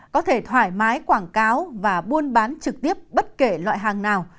có thể thoải mái quảng cáo và buôn bán trực tiếp bất kể loại hàng nào